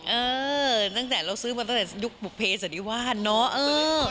เออตั้งแต่เราซื้อมาตั้งแต่ยุคบุเภสันนิวาสเนอะ